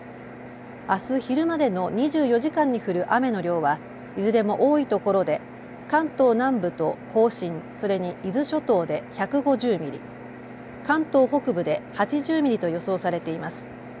あす昼までの２４時間に降る雨の量はいずれも多いところで関東南部と甲信、それに伊豆諸島で１５０ミリ、関東北部で８０ミリと予想されています。